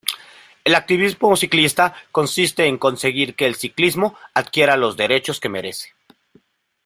El activismo ciclista consiste en conseguir que el ciclismo adquiera los derechos que merece.